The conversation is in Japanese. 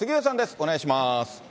お願いします。